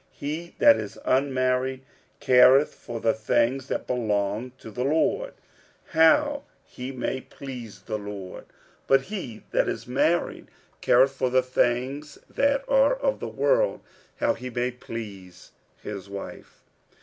He that is unmarried careth for the things that belong to the Lord, how he may please the Lord: 46:007:033 But he that is married careth for the things that are of the world, how he may please his wife.